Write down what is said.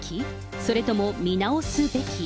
それとも見直すべき？